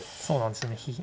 そうなんですよね。